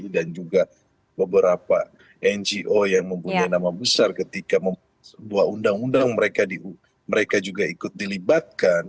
dan juga beberapa ngo yang mempunyai nama besar ketika membuat undang undang mereka juga ikut dilibatkan